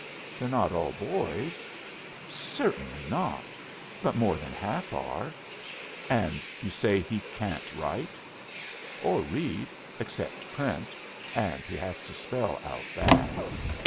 "They're not all boys?" "Certainly not; but more than half are." "And you say he can't write?" "Or read, except print, and he has to spell out that."